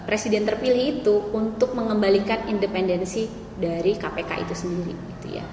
presiden terpilih itu untuk mengembalikan independensi dari kpk itu sendiri gitu ya